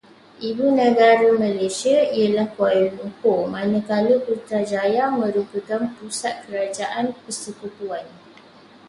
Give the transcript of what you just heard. Ibu negara Malaysia ialah Kuala Lumpur, manakala Putrajaya merupakan pusat kerajaan persekutuan.